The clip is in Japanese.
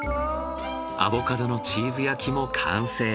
アボカドのチーズ焼きも完成。